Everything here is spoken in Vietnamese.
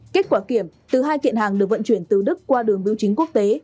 kết quả kiểm từ hai kiện hàng được vận chuyển từ đức qua đường biểu chính quốc tế